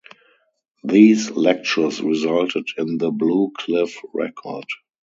These lectures resulted in the "Blue Cliff Record".